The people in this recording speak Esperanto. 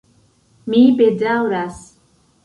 Mi bedaŭras.